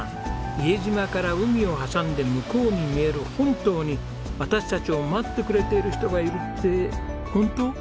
伊江島から海を挟んで向こうに見える本島に私たちを待ってくれている人がいるってホント？